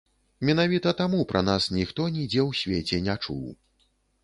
Менавіта таму пра нас ніхто нідзе ў свеце не чуў.